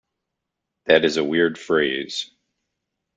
That is a weird phrase.